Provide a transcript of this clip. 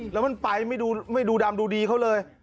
แล้วมันไปไม่ดูดำดูดีเขาเลย